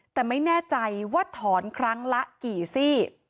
แต่ไม่แน่ใจว่าถอนครั้งละกี่ซี่